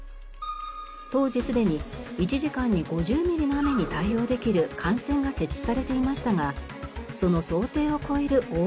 当時すでに１時間に５０ミリの雨に対応できる幹線が設置されていましたがその想定を超える大雨でした。